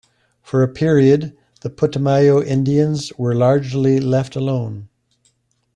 For a period, the Putumayo Indians were largely left alone.